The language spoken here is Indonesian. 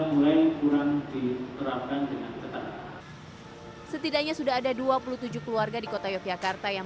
mulai kurang diterapkan dengan ketat setidaknya sudah ada dua puluh tujuh keluarga di kota yogyakarta yang